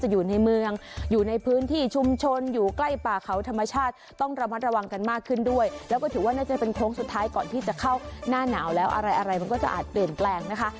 อยู่ในเมืองอยู่ในพื้นที่ชุมชนอยู่ใกล้ป่าเขาธรรมชาติต้องระมัดระวังกันมากขึ้นด้วยแล้วก็ถือว่าน่าจะเป็นโค้งสุดท้ายก่อนที่จะเข้าหน้าหนาวแล้วอะไรอะไรมันก็จะอาจเปลี่ยนแปลงนะคะ